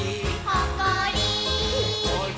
「ほっこり」